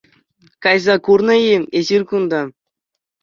Кайса курнӑ-и эсир кунта?